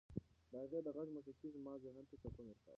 د هغې د غږ موسیقي زما ذهن ته سکون ورکاوه.